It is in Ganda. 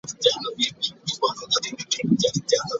Ekiro ffe tumenya amateeka ate emisana ffe tugakwasisa.